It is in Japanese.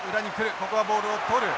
ここはボールを捕る。